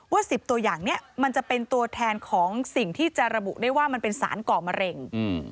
๑๐ตัวอย่างนี้มันจะเป็นตัวแทนของสิ่งที่จะระบุได้ว่ามันเป็นสารก่อมะเร็ง